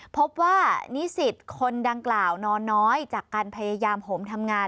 พบว่านิสิตคนดังกล่าวนอนน้อยจากการพยายามห่มทำงาน